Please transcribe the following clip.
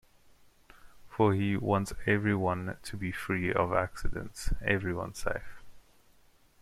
For he wants everyone to be free of accidents, everyone safe.